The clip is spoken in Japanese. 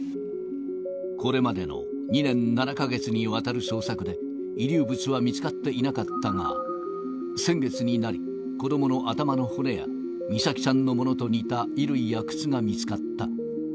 これまでの２年７か月にわたる捜索で、遺留物は見つかっていなかったが、先月になり、子どもの頭の骨や、美咲さんのものと似た衣類や靴が見つかった。